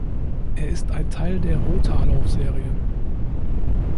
Er ist ein Teil der Rothaar-Laufserie.